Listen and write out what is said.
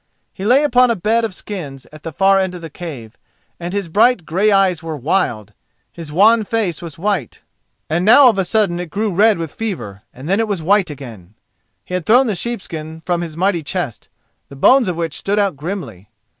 He lay upon a bed of skins at the far end of the cave and his bright grey eyes were wild, his wan face was white, and now of a sudden it grew red with fever, and then was white again. He had thrown the sheepskins from his mighty chest, the bones of which stood out grimly.